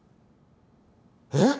えっ！